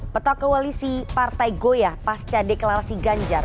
peta koalisi partai goyah pasca deklarasi ganjar